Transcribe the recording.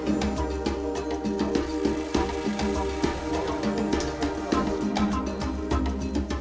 upaya memperkuat dan melindungi ekosistem laut